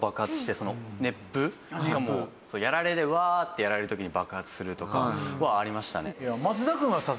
それかもうやられでうわーってやられる時に爆発するとかはありましたね。